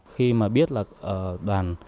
khi mà biết là đoàn